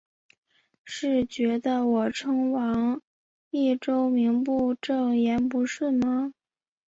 是觉得我称王益州名不正言不顺吗？